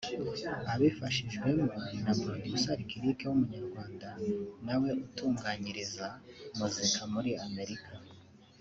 abifashijwemo na Producer Licklick w’umunyarwanda nawe utunganyiriza muzika muri Amerika